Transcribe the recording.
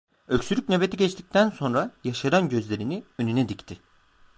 Öksürük nöbeti geçtikten sonra, yaşaran gözlerini önüne dikti.